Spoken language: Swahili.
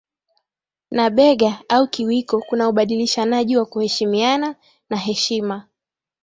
na bega au kiwiko kuna ubadilishanaji wa kuheshimiana na heshima